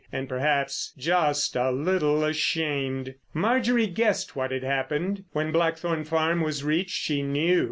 And perhaps just a little ashamed. Marjorie guessed what had happened. When Blackthorn Farm was reached, she knew.